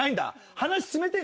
話進めて。